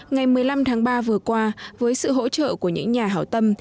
ngày một mươi năm tháng ba vừa qua với sự hỗ trợ của những nhà hảo tâm